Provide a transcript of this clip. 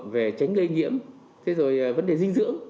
về tránh lây nhiễm vấn đề dinh dưỡng